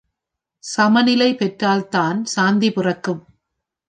சம நிலை பெற்றால்தான் சாந்தி பிறக்கும்.